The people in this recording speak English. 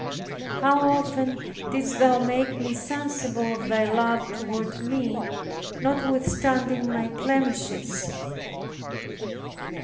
How often didst Thou make me sensible of Thy love toward me, notwithstanding my blemishes!